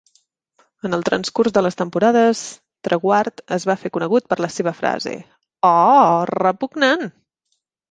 En el transcurs de les temporades, Treguard es va fer conegut per la seva frase "Ooh, repugnant"!